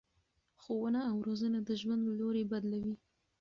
ښوونه او روزنه د ژوند لوری بدلوي.